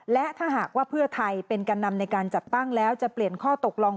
และถ้าหากว่าเพื่อไทยเป็นแก่นำในการจัดตั้งแล้วจะเปลี่ยนข้อตกลง